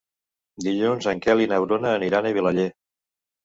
Dilluns en Quel i na Bruna aniran a Vilaller.